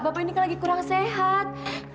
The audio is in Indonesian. bapak ini kan lagi kurang sehat